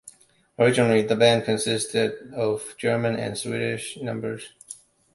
Originally the band consisted of German and Swedish members.